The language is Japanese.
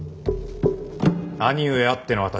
兄上あっての私。